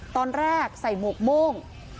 ตอนแรกใส่หมวกโม่ง